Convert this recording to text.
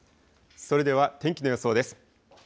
それでは天気の予想です。